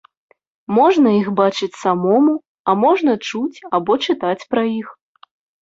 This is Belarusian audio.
Можна іх бачыць самому, а можна чуць або чытаць пра іх.